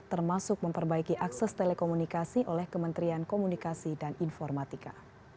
termasuk memperbaiki akses telekomunikasi oleh kementerian komunikasi dan informatika